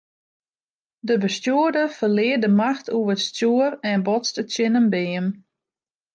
De bestjoerder ferlear de macht oer it stjoer en botste tsjin in beam.